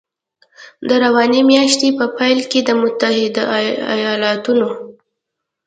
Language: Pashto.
د روانې میاشتې په پیل کې د متحدو ایالتونو